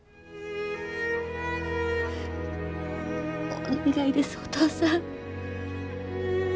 お願いですおとうさん。